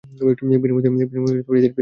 বিনিময়ে এদের কিছু কাজকর্ম করে দিই।